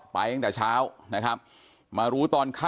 แม่โชคดีนะไม่ถึงตายนะ